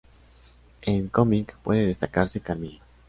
En cómic, puede destacarse "Carmilla.